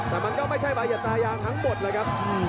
แต่มันก็ไม่ใช่บายตายางทั้งหมดเลยครับ